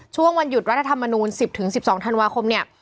ช่วงวันหยุดรัฐธรรมนูล๑๐๑๒ธันวาคมเนี่ย